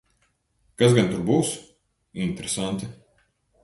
Kas gan tur būs? Interesanti.